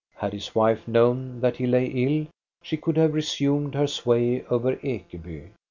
Had his wife known that he lay ill, she could have resumed her sway over Ekeby.